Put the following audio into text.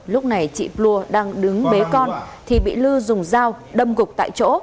lúc này chị plua đang đứng bế con thì bị lư dùng dao đâm gục tại chỗ